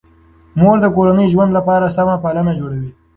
مور د کورني ژوند لپاره سمه پالن جوړوي.